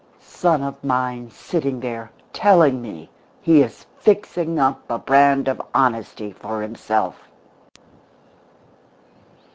"Son of mine sitting there telling me he is fixing up a brand of honesty for himself!"